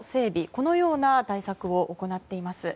このような対策を行っています。